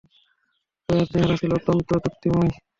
তাঁর চেহারা ছিল অত্যন্ত দ্যুতিময়।